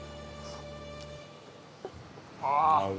ああ！